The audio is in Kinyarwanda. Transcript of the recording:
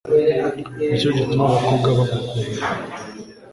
Ni cyo gituma abakobwa bagukunda.